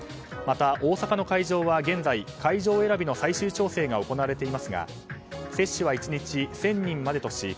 また大阪の会場は現在会場選びの最終調整が行われていますが接種は１日１０００人までとし